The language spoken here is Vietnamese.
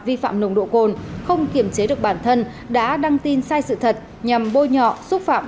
vi phạm nồng độ cồn không kiểm chế được bản thân đã đăng tin sai sự thật nhằm bôi nhọ xúc phạm